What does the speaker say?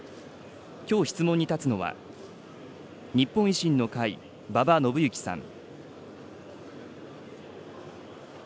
きょう質問に立つのは、日本維新の会、馬場伸幸さん。